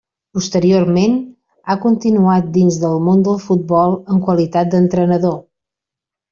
Posteriorment, ha continuat dins del món del futbol en qualitat d'entrenador.